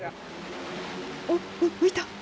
おっ、浮いた。